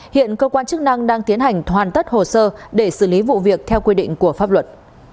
hiện cơ quan chức năng đang tiến hành hoàn tất hồ sơ để xử lý vụ việc theo quy định của pháp luật